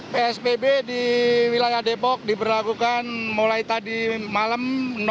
psbb di wilayah depok diberlakukan mulai tadi malam